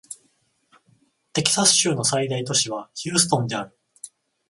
テキサス州の最大都市はヒューストンである